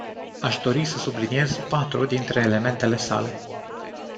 Aș dori să subliniez patru dintre elementele sale.